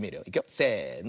せの。